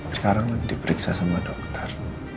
sekarang diperiksa sama dokter